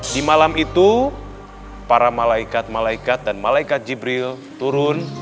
di malam itu para malaikat malaikat dan malaikat jibril turun